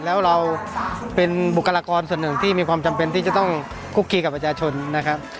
แล้วเราเป็นบุคลากรส่วนหนึ่งที่มีความจำเป็นที่จะต้องคุกคีกับประชาชนนะครับ